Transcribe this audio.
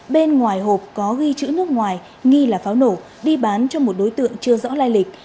bên ngoài hộp có ghi chữ nước ngoài nghi là pháo nổ đi bán cho một đối tượng chưa rõ lai lịch